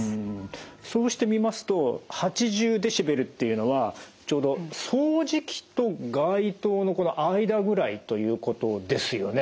そうしてみますと８０デシベルっていうのはちょうど掃除機と街頭のこの間ぐらいということですよね。